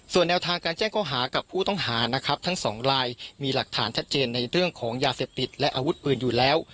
ส่วนแนวทางการแจ้งข้อหากับผู้ต้องหานะครับทั้งสองลายมีหลักฐานชัดเจนในเรื่องของยาเสพติดและอาวุธปืนอยู่แล้ว